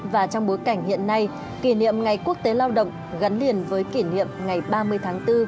và trong bối cảnh hiện nay kỷ niệm ngày quốc tế lao động gắn liền với kỷ niệm ngày ba mươi tháng bốn